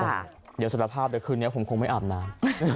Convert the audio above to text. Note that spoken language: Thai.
เดี๋ยวสารภาพเดี๋ยวคืนนี้ผมคงไม่อาบน้ำ